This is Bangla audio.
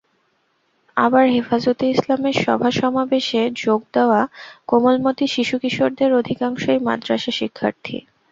আবার হেফাজতে ইসলামের সভা সমাবেশে যোগ দেওয়া কোমলমতি শিশু কিশোরদের অধিকাংশই মাদ্রাসাশিক্ষার্থী।